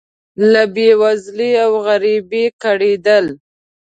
له بې وزلۍ او غریبۍ کړېدل.